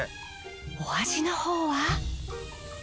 お味の方は？